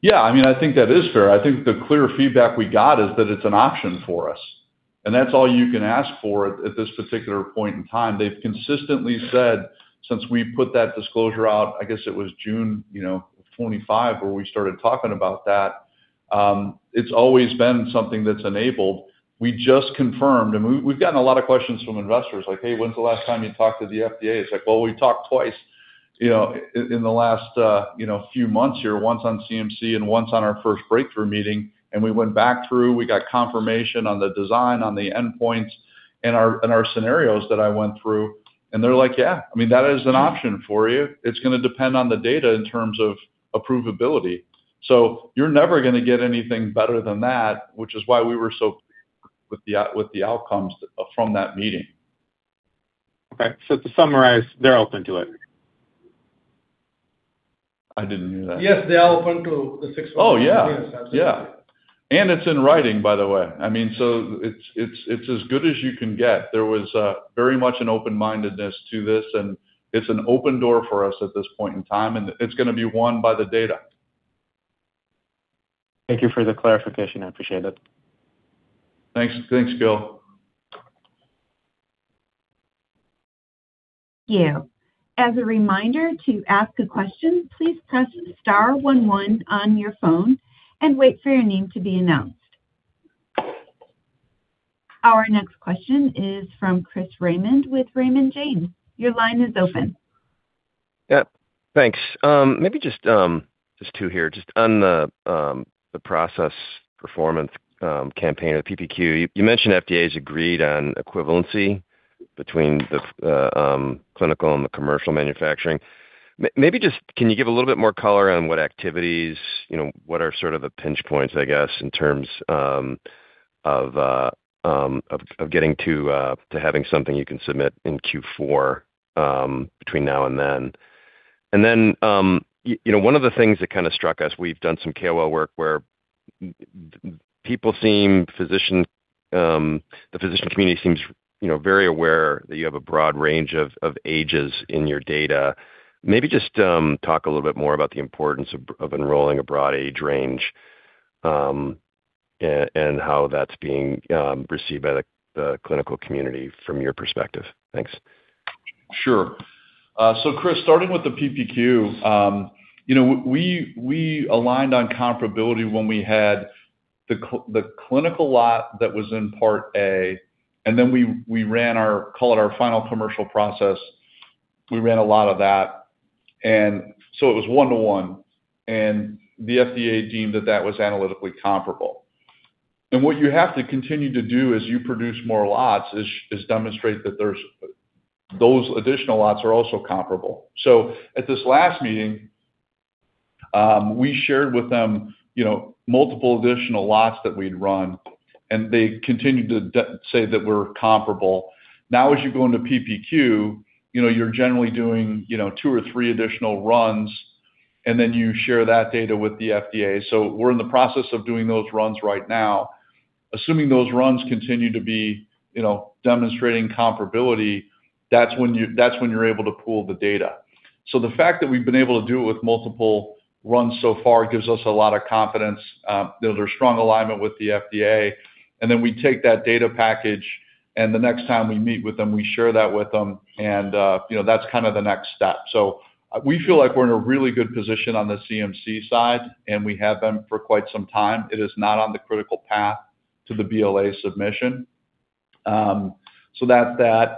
Yeah. I mean, I think that is fair. I think the clear feedback we got is that it's an option for us, and that's all you can ask for at this particular point in time. They've consistently said since we put that disclosure out, I guess it was June, you know, 25, where we started talking about that, it's always been something that's enabled. We just confirmed. We, we've gotten a lot of questions from investors like, "Hey, when's the last time you talked to the FDA?" It's like, well, we talked twice, you know, in the last, you know, few months here, once on CMC and once on our first Breakthrough meeting. We went back through, we got confirmation on the design, on the endpoints and our, and our scenarios that I went through. They're like, "Yeah, I mean, that is an option for you. It's going to depend on the data in terms of approvability." You're never going to get anything better than that, which is why we were so with the outcomes from that meeting. Okay. To summarize, they're open to it. I didn't hear that. Yes. They are open to the six month. Oh, yeah. Yeah. It's in writing, by the way. I mean, it's as good as you can get. There was very much an open-mindedness to this, and it's an open door for us at this point in time, and it's going to be won by the data. Thank you for the clarification. I appreciate it. Thanks. Thanks, Gil. As a reminder, to ask a question, please press star one one on your phone and wait for your name to be announced. Our next question is from Chris Raymond with Raymond James. Your line is open. Yeah. Thanks. Maybe just two here. Just on the process performance campaign or the PPQ, you mentioned FDA's agreed on equivalency between the clinical and the commercial manufacturing. Maybe just can you give a little bit more color on what activities, you know, what are sort of the pinch points, I guess, in terms of getting to having something you can submit in Q4 between now and then? Then, you know, one of the things that kind of struck us, we've done some KOL work where people seem physicians, the physician community seems, you know, very aware that you have a broad range of ages in your data. Maybe just talk a little bit more about the importance of enrolling a broad age range and how that's being received by the clinical community from your perspective? Thanks. Sure. So Chris, starting with the PPQ, you know, we aligned on comparability when we had the clinical lot that was in Part A, and then we ran our, call it our final commercial process. We ran a lot of that. It was one to one, and the FDA deemed that that was analytically comparable. What you have to continue to do as you produce more lots is demonstrate that those additional lots are also comparable. At this last meeting, we shared with them, you know, multiple additional lots that we'd run, and they continued to say that we're comparable. As you go into PPQ, you know, you're generally doing, you know, two or three additional runs, and then you share that data with the FDA. We're in the process of doing those runs right now. Assuming those runs continue to be, you know, demonstrating comparability, that's when you're able to pool the data. The fact that we've been able to do it with multiple runs so far gives us a lot of confidence that there's strong alignment with the FDA. We take that data package, and the next time we meet with them, we share that with them and, you know, that's kind of the next step. We feel like we're in a really good position on the CMC side, and we have been for quite some time. It is not on the critical path to the BLA submission. That's that.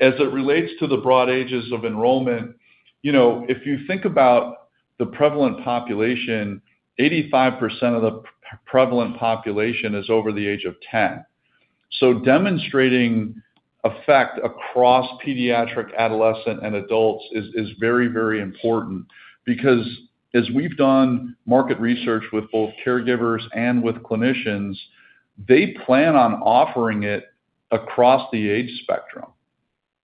As it relates to the broad ages of enrollment, you know, if you think about the prevalent population, 85% of the prevalent population is over the age of 10. Demonstrating effect across pediatric, adolescent, and adults is very, very important because as we've done market research with both caregivers and with clinicians. They plan on offering it across the age spectrum,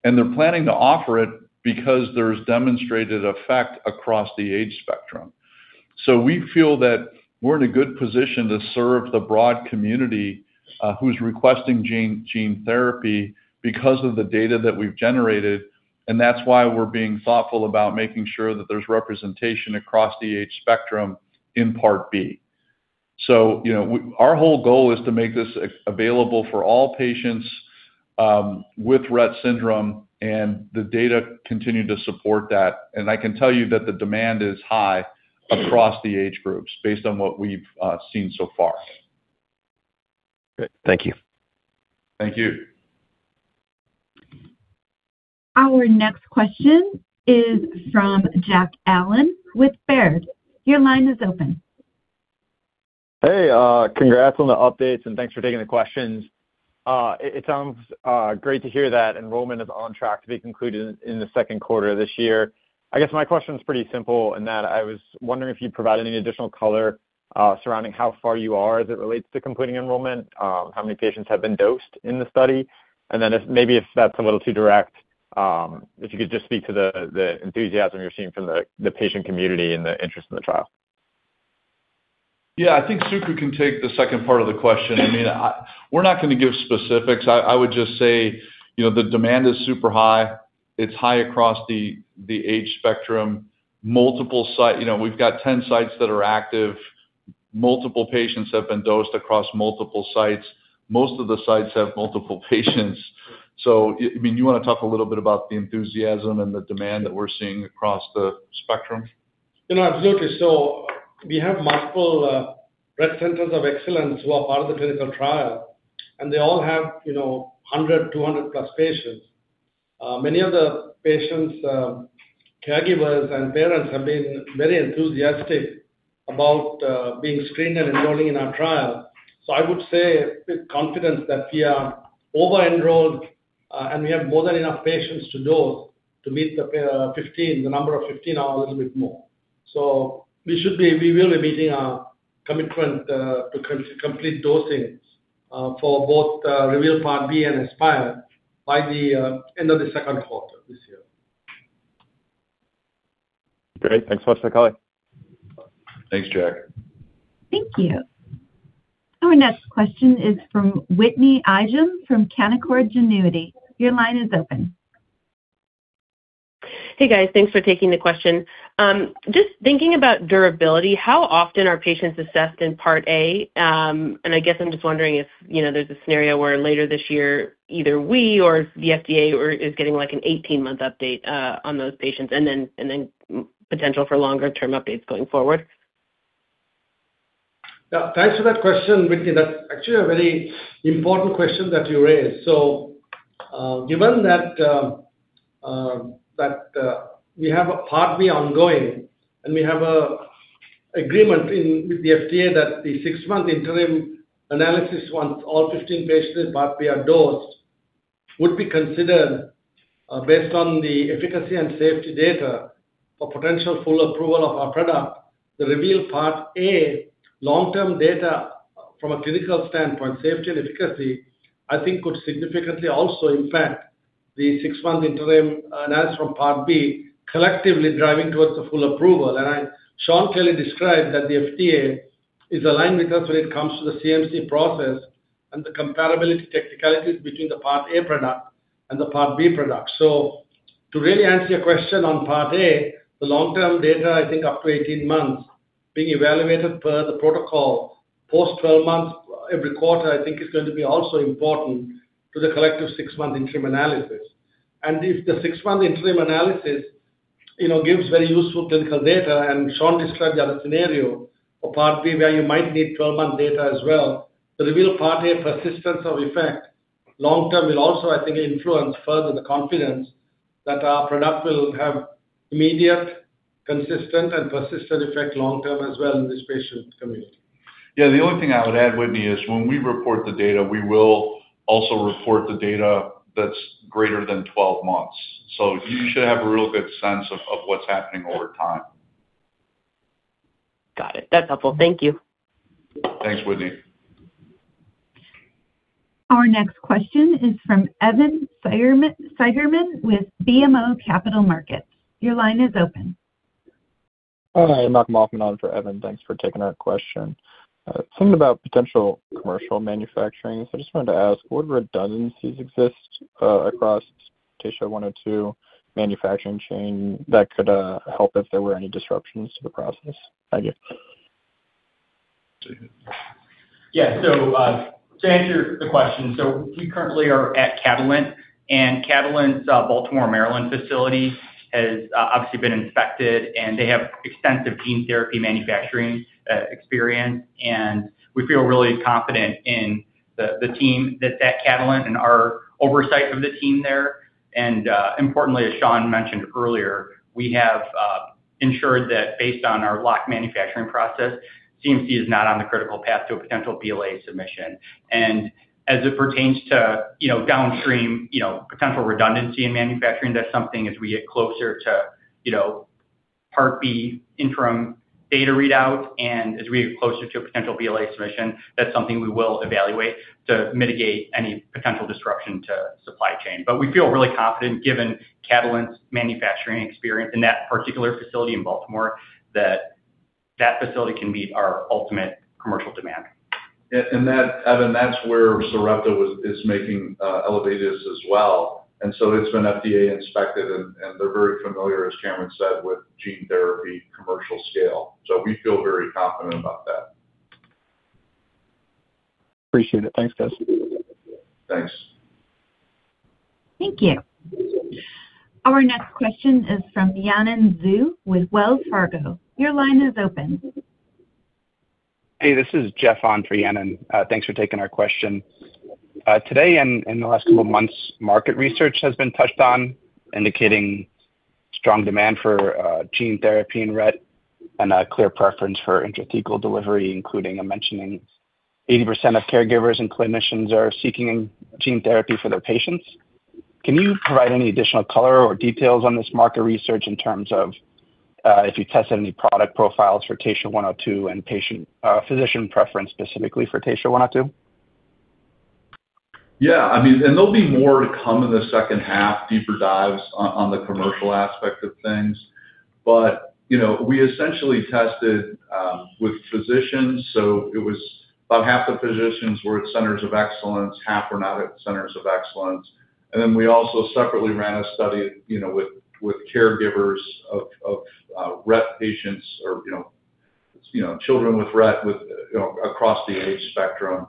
and they're planning to offer it because there's demonstrated effect across the age spectrum. We feel that we're in a good position to serve the broad community who's requesting gene therapy because of the data that we've generated, and that's why we're being thoughtful about making sure that there's representation across the age spectrum in Part B. You know, our whole goal is to make this available for all patients with Rett syndrome, and the data continue to support that. I can tell you that the demand is high across the age groups based on what we've seen so far. Great. Thank you. Thank you. Our next question is from Jack Allen with Baird. Your line is open. Hey, congrats on the updates, and thanks for taking the questions. It sounds great to hear that enrollment is on track to be concluded in the 2nd quarter of this year. I guess my question is pretty simple in that I was wondering if you'd provide any additional color surrounding how far you are as it relates to completing enrollment, how many patients have been dosed in the study, and then if that's a little too direct, if you could just speak to the enthusiasm you're seeing from the patient community and the interest in the trial. I think Suku can take the second part of the question. I mean, we're not gonna give specifics. I would just say, you know, the demand is super high. It's high across the age spectrum. Multiple sites. You know, we've got 10 sites that are active. Multiple patients have been dosed across multiple sites. Most of the sites have multiple patients. I mean, you wanna talk a little bit about the enthusiasm and the demand that we're seeing across the spectrum? You know, absolutely. We have multiple Rett centers of excellence who are part of the clinical trial, and they all have, you know, hundred, 200+ patients. Many of the patients' caregivers and parents have been very enthusiastic about being screened and enrolling in our trial. I would say with confidence that we are over-enrolled, and we have more than enough patients to dose to meet the 15, the number of 15 or a little bit more. We will be meeting our commitment to complete dosing for both REVEAL Part B and ASPIRE by the end of the second quarter this year. Great. Thanks much for calling. Thanks, Jack. Thank you. Our next question is from Whitney Ijem from Canaccord Genuity. Your line is open. Hey, guys. Thanks for taking the question. Just thinking about durability, how often are patients assessed in Part A? I guess I'm just wondering if, you know, there's a scenario where later this year, either we or the FDA is getting, like, an eighteen-month update on those patients and then potential for longer-term updates going forward. Yeah. Thanks for that question, Whitney. That's actually a very important question that you raised. Given that we have a Part B ongoing, and we have a agreement in with the FDA that the six-month interim analysis, once all 15 patients in Part B are dosed, would be considered based on the efficacy and safety data for potential full approval of our product. The REVEAL Part A long-term data from a clinical standpoint, safety and efficacy, I think could significantly also impact the six-month interim analysis from Part B, collectively driving towards the full approval. Sean clearly described that the FDA is aligned with us when it comes to the CMC process and the comparability technicalities between the Part A product and the Part B product. To really answer your question on Part A, the long-term data, I think up to 18 months, being evaluated per the protocol, post-12 months, every quarter, I think is going to be also important to the collective six-month interim analysis. If the six-month interim analysis, you know, gives very useful clinical data, and Sean described the other scenario for Part B where you might need 12-month data as well, the REVEAL Part A persistence of effect long term will also, I think, influence further the confidence that our product will have immediate, consistent, and persistent effect long term as well in this patient community. Yeah. The only thing I would add, Whitney, is when we report the data, we will also report the data that's greater than 12 months. You should have a real good sense of what's happening over time. Got it. That's helpful. Thank you. Thanks, Whitney. Our next question is from Evan Seigerman with BMO Capital Markets. Your line is open. Hi, Malcolm Hoffman on for Evan. Thanks for taking our question. Something about potential commercial manufacturing. I just wanted to ask, what redundancies exist across TSHA-102 manufacturing chain that could help if there were any disruptions to the process? Thank you. Yeah. To answer the question, we currently are at Catalent's Baltimore, Maryland facility has obviously been inspected, and they have extensive gene therapy manufacturing experience. We feel really confident in the team that's at Catalent and our oversight of the team there. Importantly, as Sean mentioned earlier, we have ensured that based on our locked manufacturing process, CMC is not on the critical path to a potential BLA submission. As it pertains to, you know, downstream, you know, potential redundancy in manufacturing, that's something as we get closer to, you know, Part B interim data readout. As we get closer to a potential BLA submission, that's something we will evaluate to mitigate any potential disruption to supply chain. We feel really confident given Catalent's manufacturing experience in that particular facility in Baltimore, that that facility can meet our ultimate commercial demand. Yeah, Evan, that's where Sarepta is making ELEVIDYS as well. It's been FDA inspected and they're very familiar, as Kamran said, with gene therapy commercial scale. We feel very confident about that. Appreciate it. Thanks, guys. Thanks. Thank you. Our next question is from Yanan Zhu with Wells Fargo. Your line is open. Hey, this is Jeff on for Yanan. Thanks for taking our question. Today and in the last couple of months, market research has been touched on, indicating strong demand for gene therapy in Rett syndrome and a clear preference for intrathecal delivery, including a mentioning 80% of caregivers and clinicians are seeking gene therapy for their patients. Can you provide any additional color or details on this market research in terms of if you tested any product profiles for TSHA-102 and physician preference specifically for TSHA-102? Yeah, I mean, there'll be more to come in the second half, deeper dives on the commercial aspect of things. You know, we essentially tested with physicians. It was about half the physicians were at centers of excellence, half were not at centers of excellence. We also separately ran a study, you know, with caregivers of Rett patients or, you know, children with Rett, you know, across the age spectrum.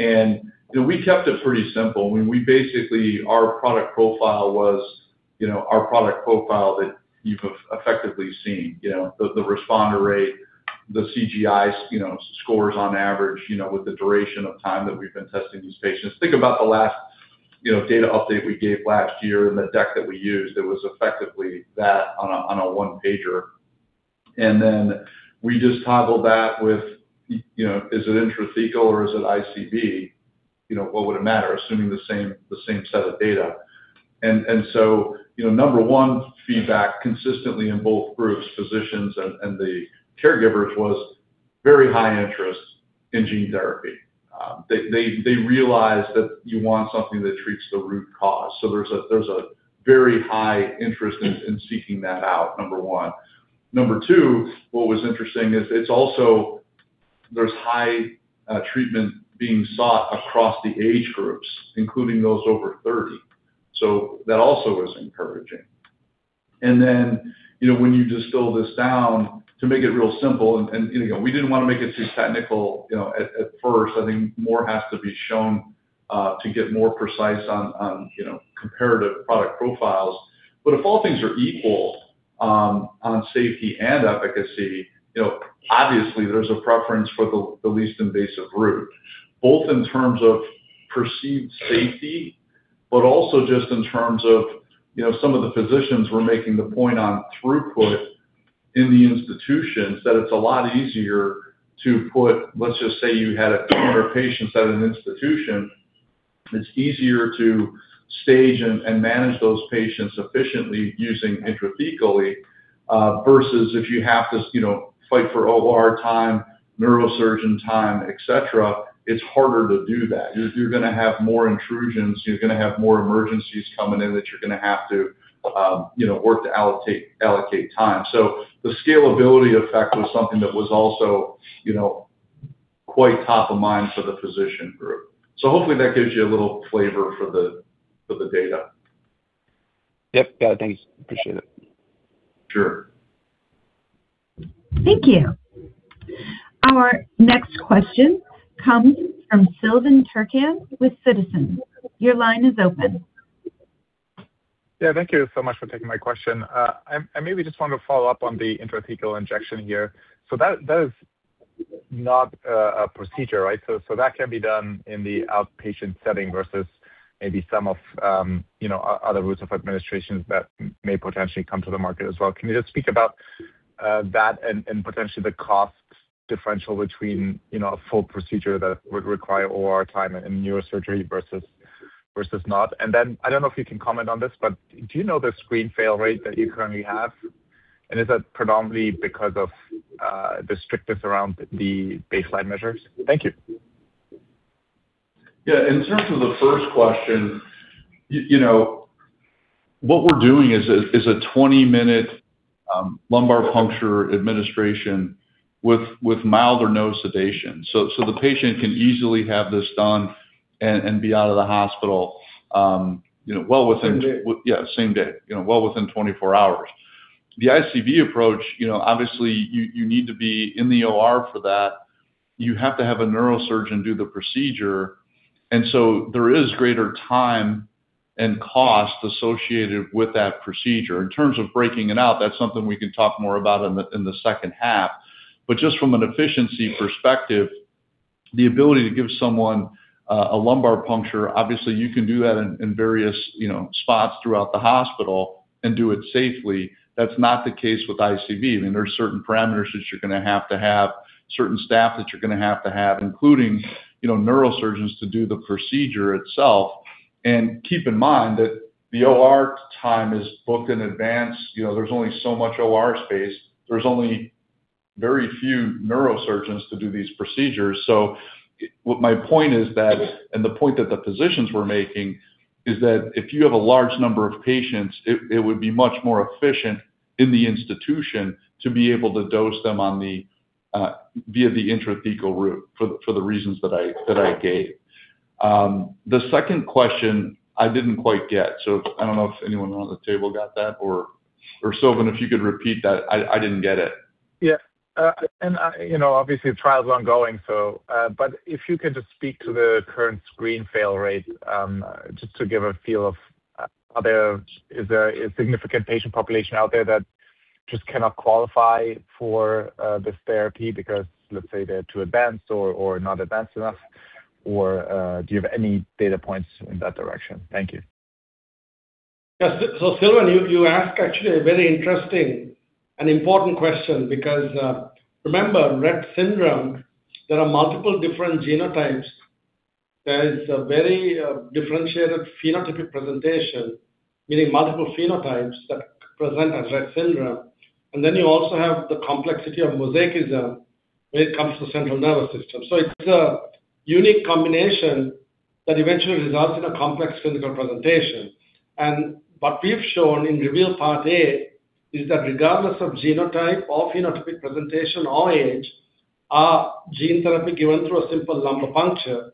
You know, we kept it pretty simple when we basically our product profile was, you know, our product profile that you've effectively seen, you know. The responder rate, the CGI, you know, scores on average, you know, with the duration of time that we've been testing these patients. Think about the last, you know, data update we gave last year and the deck that we used. It was effectively that on a one-pager. We just toggled that with, you know, is it intrathecal or is it ICV? What would it matter, assuming the same set of data? You know, number one feedback consistently in both groups, physicians and the caregivers, was very high interest in gene therapy. They realize that you want something that treats the root cause. There's a very high interest in seeking that out, number one. Number two, what was interesting is it's also there's high treatment being sought across the age groups, including those over 30. That also is encouraging. You know, when you distill this down to make it real simple, you know, we didn't wanna make it too technical, you know, at first. I think more has to be shown to get more precise on, you know, comparative product profiles. If all things are equal on safety and efficacy, you know, obviously there's a preference for the least invasive route, both in terms of perceived safety, but also just in terms of, you know, some of the physicians were making the point on throughput in the institutions, that it's a lot easier to put, let's just say, you had 100 patients at an institution. It's easier to stage and manage those patients efficiently using intrathecally, versus if you have to you know, fight for OR time, neurosurgeon time, et cetera, it's harder to do that. You're gonna have more intrusions. You're gonna have more emergencies coming in that you're gonna have to, you know, work to allocate time. The scalability effect was something that was also, you know, quite top of mind for the physician group. Hopefully that gives you a little flavor for the data. Yep. Got it. Thanks. Appreciate it. Sure. Thank you. Our next question comes from Silvan Tuerkcan with Citizens. Your line is open. Yeah. Thank you so much for taking my question. I maybe just wanted to follow up on the intrathecal injection here. That is not a procedure, right? That can be done in the outpatient setting versus maybe some of, you know, other routes of administrations that may potentially come to the market as well. Can you just speak about that and potentially the cost differential between, you know, a full procedure that would require OR time and neurosurgery versus not? I don't know if you can comment on this, but do you know the screen fail rate that you currently have? Is that predominantly because of the strictness around the baseline measures? Thank you. Yeah. In terms of the first question, you know, what we're doing is a 20-minute lumbar puncture administration with mild or no sedation. The patient can easily have this done and be out of the hospital, you know. Same day. Yeah, same day. You know, well within 24 hours. The ICV approach, you know, obviously you need to be in the OR for that. You have to have a neurosurgeon do the procedure. There is greater time and cost associated with that procedure. In terms of breaking it out, that's something we can talk more about in the second half. Just from an efficiency perspective, the ability to give someone a lumbar puncture, obviously you can do that in various, you know, spots throughout the hospital and do it safely. That's not the case with ICV. I mean, there are certain parameters that you're gonna have to have, certain staff that you're gonna have to have, including, you know, neurosurgeons to do the procedure itself. Keep in mind that the OR time is booked in advance. You know, there's only so much OR space. There's only very few neurosurgeons to do these procedures. My point is that, and the point that the physicians were making, is that if you have a large number of patients, it would be much more efficient in the institution to be able to dose them on the via the intrathecal route for the reasons that I gave. The second question I didn't quite get, I don't know if anyone around the table got that or Silvan, if you could repeat that. I didn't get it. Yeah. You know, obviously the trial's ongoing, so, but if you could just speak to the current screen fail rate, just to give a feel of, is there a significant patient population out there that just cannot qualify for this therapy because, let's say, they're too advanced or not advanced enough? Do you have any data points in that direction? Thank you. Yeah. Silvan, you ask actually a very interesting and important question because, remember, Rett syndrome, there are multiple different genotypes. There is a very differentiated phenotypic presentation, meaning multiple phenotypes that present as Rett syndrome. You also have the complexity of mosaicism when it comes to central nervous system. It's a unique combination that eventually results in a complex clinical presentation. What we've shown in REVEAL Part A is that regardless of genotype or phenotypic presentation or age, our gene therapy given through a simple lumbar puncture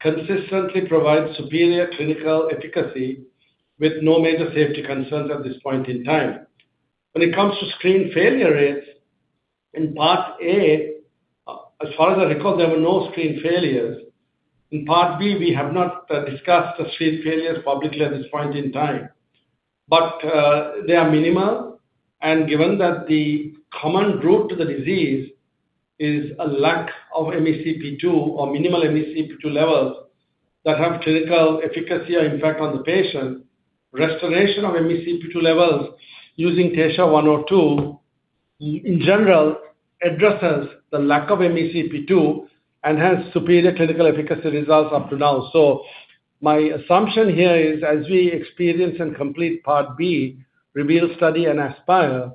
consistently provides superior clinical efficacy with no major safety concerns at this point in time. When it comes to screen failure rates, in Part A, as far as I recall, there were no screen failures. In Part B, we have not discussed the screen failures publicly at this point in time. They are minimal, and given that the common root to the disease is a lack of MECP2 or minimal MECP2 levels that have clinical efficacy or impact on the patient, restoration of MECP2 levels using TSHA-102, in general, addresses the lack of MECP2 and has superior clinical efficacy results up to now. My assumption here is as we experience and complete Part B REVEAL study and ASPIRE,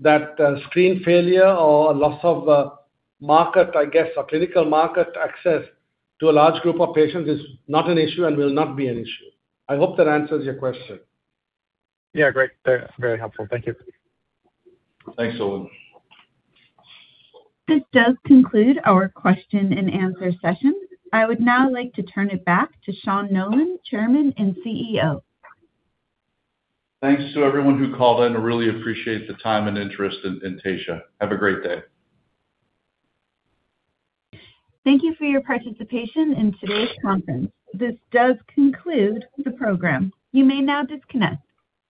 that screen failure or loss of market, I guess, or clinical market access to a large group of patients is not an issue and will not be an issue. I hope that answers your question. Yeah. Great. Very, very helpful. Thank you. Thanks, Silvan. This does conclude our question and answer session. I would now like to turn it back to Sean Nolan, Chairman and CEO. Thanks to everyone who called in. I really appreciate the time and interest in Taysha. Have a great day. Thank you for your participation in today's conference. This does conclude the program. You may now disconnect.